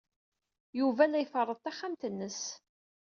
Yuba la iferreḍ taxxamt-nnes.